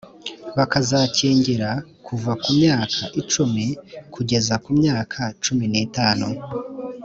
bazakingira kuva ku myaka icumi kugeza ku myaka cumi n’itanu